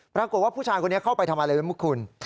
ปรากฏว่าผู้ชายคนนี้เข้าไปทำอะไรรู้ไหมคุณ